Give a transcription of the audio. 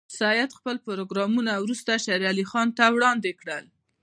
سید خپل پروګرامونه وروسته شېر علي خان ته وړاندې کړل.